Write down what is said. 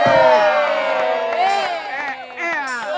oh semuanya bangun